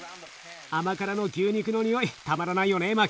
甘辛の牛肉のにおいたまらないよね